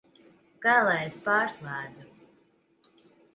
Kā lai es pārslēdzu?